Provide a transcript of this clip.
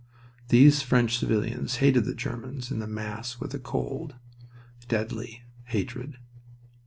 These French civilians hated the Germans in the mass with a cold, deadly hatred.